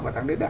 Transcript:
bảo tàng đế đại